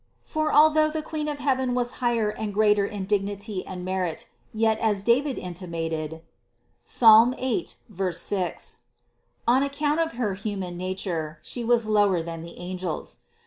For although the Queen of heaven was higher and greater in dignity and merit, yet, as David intimated (Ps. 8, 6), on account of her human nature, She was lower than the angels.